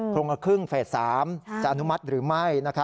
โครงกระคึ้งเฟส๓จะอนุมัติหรือไม่